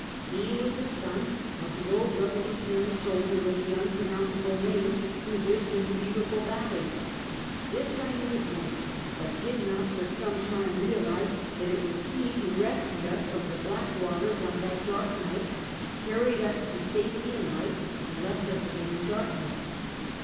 He was the son of the old revolutionary soldier, with the un pronoun cable name, who lived in the beau tiful valle}'. This I knew at once, but did not, for some time, realize that it was he who rescued us from the black waters on that dark night, carried us to safe ty and light, and left us again in darkness.